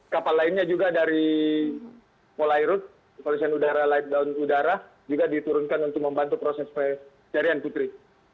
kapal lainnya juga dari polairut polisian udara live down udara juga diturunkan untuk membantu proses pencarian putri